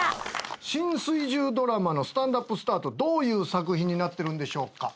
新水１０ドラマの『スタンドＵＰスタート』どういう作品になってるんでしょうか？